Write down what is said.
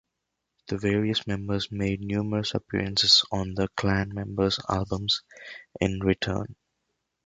The various members made numerous appearances on the clan members albums in return.